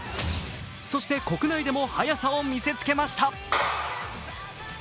そして国内でも速さを見せつけました。